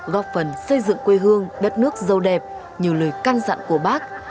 góp phần xây dựng quê hương đất nước giàu đẹp nhiều lời can dặn của bác